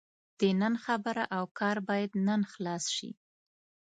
د نن خبره او کار باید نن خلاص شي.